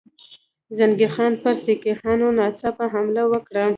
زنګي خان پر سیکهانو ناڅاپي حمله وکړه.